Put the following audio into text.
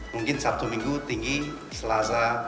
mungkin sabtu minggu tinggi selasa